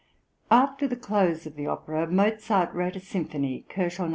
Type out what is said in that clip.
After the close of the opera, Mozart wrote a symphony (112 K.)